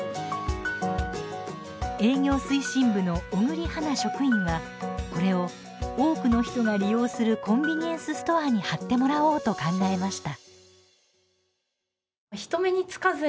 営業推進部の小栗花職員はこれを多くの人が利用するコンビニエンスストアに貼ってもらおうと考えました。